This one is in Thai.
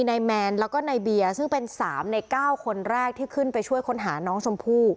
นายแมนแล้วก็ในเบียร์ซึ่งเป็น๓ใน๙คนแรกที่ขึ้นไปช่วยค้นหาน้องชมพู่